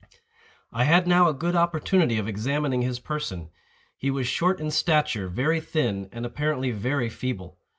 I had now a good opportunity of examining his person. He was short in stature, very thin, and apparently very feeble.